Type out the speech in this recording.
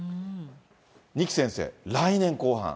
二木先生、来年後半。